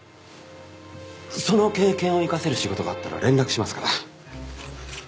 その経験を生かせる仕事があったら連絡しますから。